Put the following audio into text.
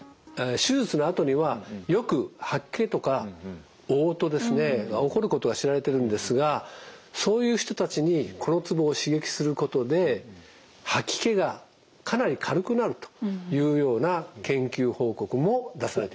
手術のあとにはよく吐き気とかおう吐が起こることが知られてるんですがそういう人たちにこのツボを刺激することで吐き気がかなり軽くなるというような研究報告も出されています。